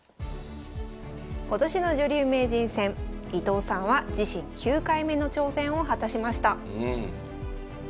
今年の女流名人戦伊藤さんは自身９回目の挑戦を果たしました。